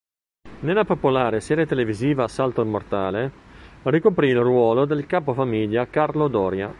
Nella popolare serie televisiva "Salto Mortale" ricoprì il ruolo del capo famiglia "Carlo Doria".